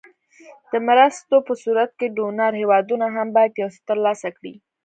د مرستو په صورت کې ډونر هېوادونه هم باید یو څه تر لاسه کړي.